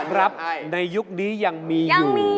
ครับในยุคนี้ยังมีอยู่